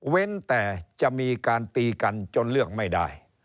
แต่จะมีการตีกันจนเลือกไม่ได้